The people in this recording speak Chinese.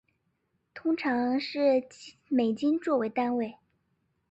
通常是美金做为单位。